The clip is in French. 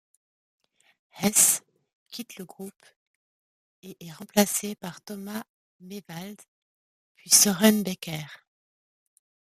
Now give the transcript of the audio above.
Hess quitte le groupe, et est remplacé par Thomas Maiwald puis Sören Becker.